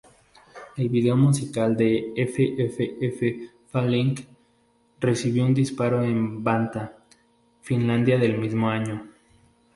El vídeo musical de "F-F-F-Falling" recibió un disparo en Vantaa, Finlandia del mismo año.